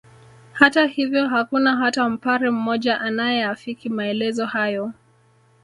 Hata hivyo hakuna hata Mpare mmoja anayeafiki maelezo hayo